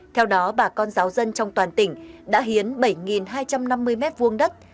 theo đó bà con giáo dân trong toàn tỉnh đã hiến bảy hai trăm năm mươi m hai đất